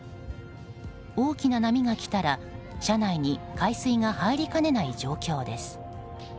大きな波が来たら、車内に海水が入りかねない状況です。